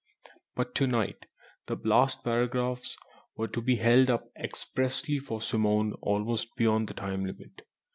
But to night the last paragraphs were to be held up expressly for Simone almost beyond the time limit.